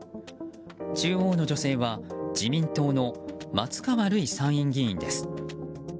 中央の女性は自民党の松川るい参院議員です。